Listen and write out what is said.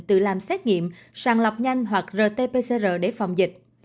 tự làm xét nghiệm sàng lọc nhanh hoặc rt pcr để phòng dịch